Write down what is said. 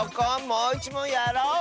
もういちもんやろう！